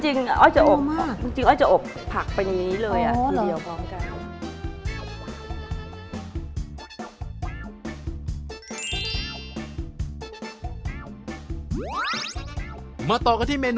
จริงอ้อยจะอบผักไปแบบนี้เลย